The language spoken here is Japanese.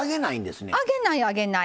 揚げない、揚げない。